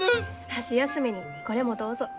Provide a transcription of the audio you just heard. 箸休めにこれもどうぞ。